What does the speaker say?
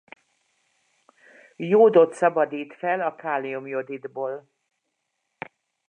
Jódot szabadít fel a kálium-jodidból.